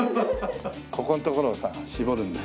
ここんところをさ絞るんだよ。